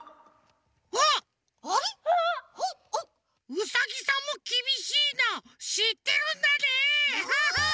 ウサギさんも「きびしいな」しってるんだね！